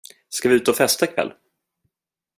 Ska vi ut och festa ikväll?